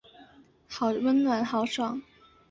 好温暖好爽